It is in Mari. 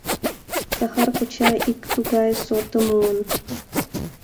Захар коча ик тугай сортым муын.